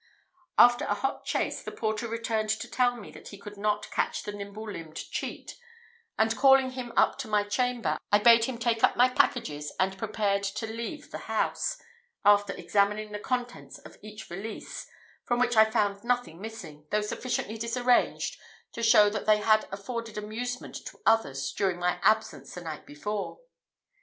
After a hot chase, the porter returned to tell me that he could not catch the nimble limbed cheat; and calling him up to my chamber, I bade him take up my packages, and prepared to leave the house, after examining the contents of each valise, from which I found nothing missing, though sufficiently disarranged to show that they had afforded amusement to others during my absence the night before.